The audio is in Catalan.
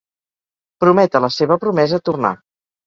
Promet a la seva promesa tornar.